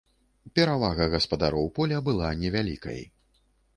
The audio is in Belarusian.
Перавага гаспадароў поля была невялікай.